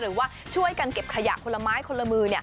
หรือว่าช่วยกันเก็บขยะคนละไม้คนละมือ